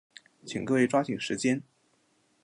请各位抓紧时间。